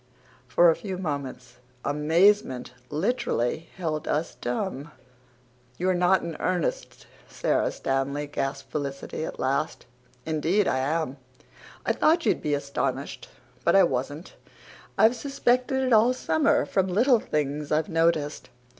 For a few moments amazement literally held us dumb. "You're not in earnest, Sara Stanley?" gasped Felicity at last. "Indeed I am. I thought you'd be astonished. But I wasn't. I've suspected it all summer, from little things I've noticed.